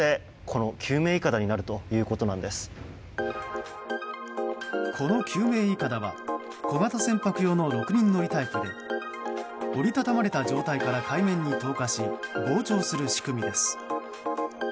この救命いかだは小型船舶用の６人乗りタイプで折り畳まれた状態から海面に投下し膨張する仕組みです。